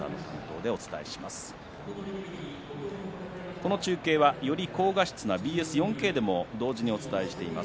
この中継は、より高画質なＢＳ４Ｋでも同時にお伝えしています。